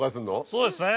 そうですね。